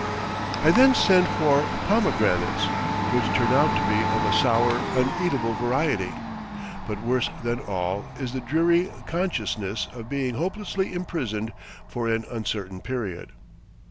I then send for pomegranates, which turn out to be of a sour, uneatable variety; but worse than all is the dreary consciousness of being hopelessly imprisoned for an uncertain period.